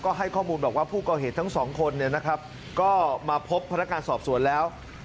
ให้ข้อมูลบอกว่าผู้ก่อเหตุทั้งสองคนก็มาพบพนักงานสอบสวนแล้ว